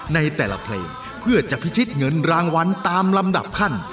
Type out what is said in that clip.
ในแต่ละเพลงเพื่อจะพิชิตเงินรางวัลตามลำดับขั้น